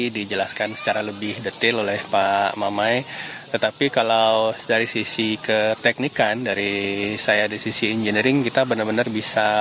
dari kapus datin bnpb